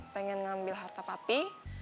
pengen ngambil harta papi